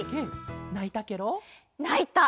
ないたケロ？ないた！